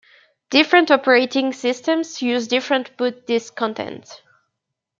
Different operating systems use different boot disk contents.